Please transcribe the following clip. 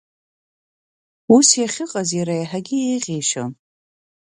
Ус иахьыҟаз иара еиҳагьы еиӷьишьон.